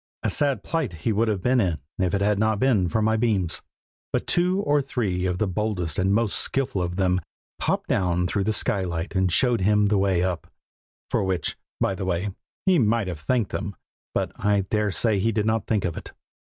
A sad plight he would have been in if it had not been for my beams; but two or three of the boldest and most skilful of them popped down through the skylight and showed him the way up: for which, by the way, he might have thanked them, but I dare say he did not think of it.